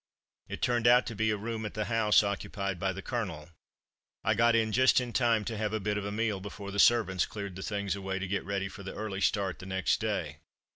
It turned out to be a room at the house occupied by the Colonel. I got in just in time to have a bit of a meal before the servants cleared the things away to get ready for the early start the next day.